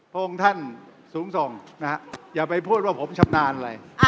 พระองค์ท่านสูงส่งนะฮะอย่าไปพูดว่าผมชำนาญอะไร